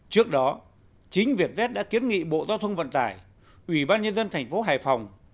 trước đó chính vietjet đã kiến nghị bộ giao thông vận tải ủy ban nhân dân thành phố hải phòng